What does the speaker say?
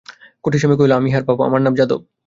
কুটিরস্বামী কহিল, আমি ইহার বাপ, আমার নাম যাদব।